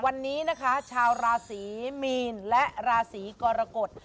วันนี้นะคะชาวราศีมีนและราศีกรกฎ